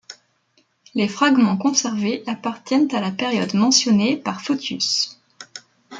Les fragments conservés appartiennent à la période mentionnée par Photius.